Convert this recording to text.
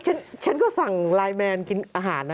ฉันก็สั่งไลน์แมนกินอาหารนะ